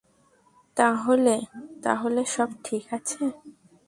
তাহলে — তাহলে সব ঠিক আছে?